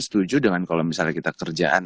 setuju dengan kalau misalnya kita kerjaan